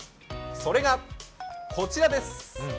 それがこちらです。